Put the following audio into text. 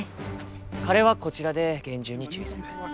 彼はこちらで厳重に注意する。